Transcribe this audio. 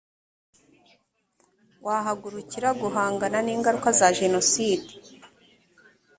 wahagurukira guhangana n’ingaruka za jenoside